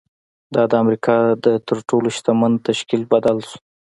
دا د امریکا تر تر ټولو شتمن تشکیل بدل شو